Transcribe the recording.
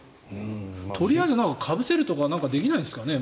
とりあえずかぶせるとかできないんですかね。